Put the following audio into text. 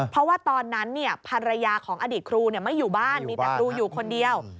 เพราะว่าตอนนั้นภรรยาของอดีตครูไม่อยู่บ้านมีแต่ครูอยู่คนเดียว